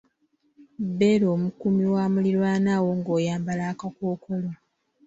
Beera omukuumi wa muliraanwa wo ng'oyambala akakookolo.